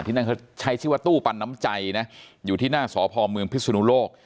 นั่นเขาใช้ชื่อว่าตู้ปันน้ำใจนะอยู่ที่หน้าสพเมืองพิศนุโลก